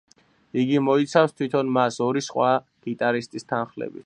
იგი მოიცავს თვითონ მას ორი სხვა გიტარისტის თანხლებით.